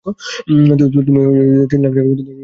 তুমি তিন লাখ টাকা পর্যন্ত ঋণ পাওয়ার যোগ্য।